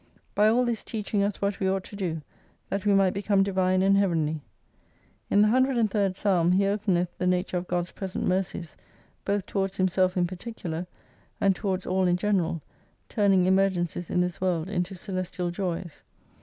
By all this teaching us what we ought to do, that we might become divine and heavenly. In the 103rd psalm he openeth the nature of God's present mercies, both towards himself in particular, and towards all in general, turning emergencies in this world into celestial joys.